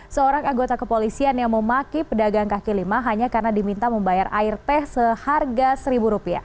seorang anggota kepolisian yang memaki pedagang kaki lima hanya karena diminta membayar air teh seharga rp satu